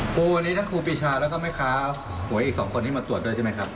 ครูและครูปิชาแล้วก็คุยอีก๒คนมาตรวจด้วยใช่ไหมครับ